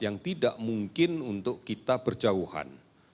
yang tidak mungkin untuk kita berjauhan